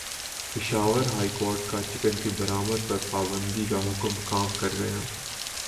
Peshawar high court کا chicken کی برآمد پر پابندی کا حکم کام کر گیا